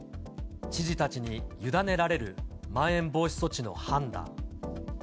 知事たちに委ねられるまん延防止措置の判断。